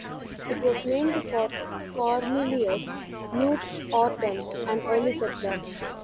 It was named for Cornelius Knute Orton, an early settler.